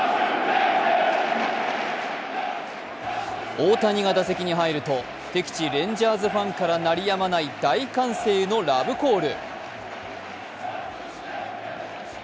大谷が打席に入ると敵地レンジャーズファンから鳴りやまない大歓声のラブコール。